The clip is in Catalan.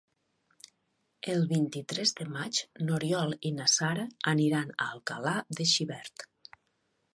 El vint-i-tres de maig n'Oriol i na Sara aniran a Alcalà de Xivert.